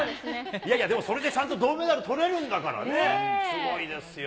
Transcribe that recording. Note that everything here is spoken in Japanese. いやいや、でもそれでちゃんと銅メダルとれるんだからね、すごいですよ。